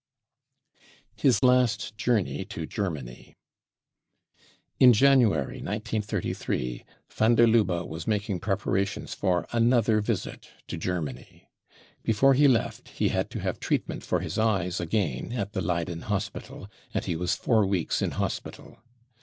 His Last Journey to Germany. In January 1 933, van der Lubbe was making preparations for another visit to Ger many. Before he left he had to have treatment for his eyes again at the Leyden hospital, and he was four weeks in hospital.